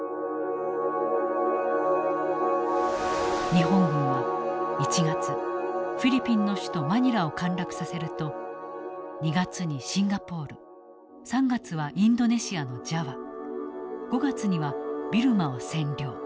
日本軍は１月フィリピンの首都マニラを陥落させると２月にシンガポール３月はインドネシアのジャワ５月にはビルマを占領。